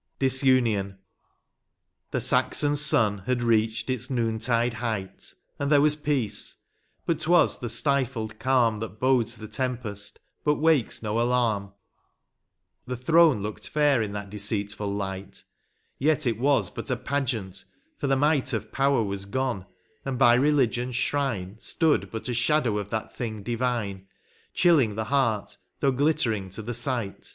129 LXIV. DISUNION. The Saxon sun had reached its noontide height, And there was peace ; but *t was the stifled calm That bodes the tempest, but wakes no alarm ; The throne looked fair in that deceitful light, Yet it was but a pageant, for the might Of power was gone, and by rehgion s shrine Stood but a shadow of that thing divine, Chilling the heart, though glittering to the sight.